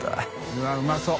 うわっうまそう。